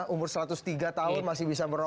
umur satu ratus tiga tahun masih bisa